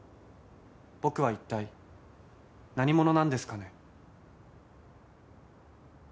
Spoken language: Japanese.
僕は一体何者なんですかね？